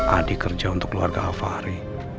adi kerja untuk keluarga afahri